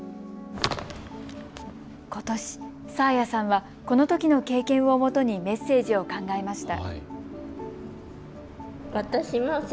ことし、紗彩さんは、このときの経験をもとにメッセージを考えました。